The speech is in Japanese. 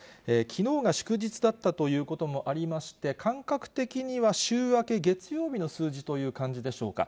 きのうが祝日だったということもありまして、感覚的には週明け月曜日の数字という感じでしょうか。